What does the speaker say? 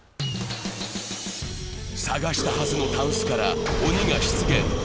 探したはずのタンスから鬼が出現。